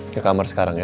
ke kamar sekarang ya